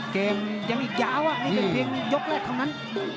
เกมยังอีกยาวนี่เป็นเพียงยกแรกเท่านั้น